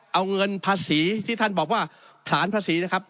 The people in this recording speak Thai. เอาเงินภาษีที่ท่านบอกว่าผลานภาษีนะครับ